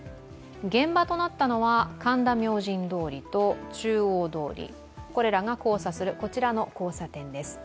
現場となったのは、神田明神通りと中央通り、これらが交差するこちらの交差点です。